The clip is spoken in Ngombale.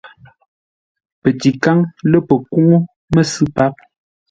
Pətikáŋ lə̂ pəkúŋú məsʉ̂ páp.